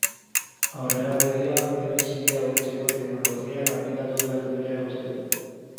Aurrera begira, berriz, hiria hobetzeko teknologiak aplikatu behar direla uste du.